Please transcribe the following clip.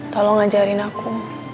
tolong ajarin aku